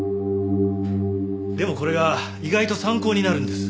でもこれが意外と参考になるんです。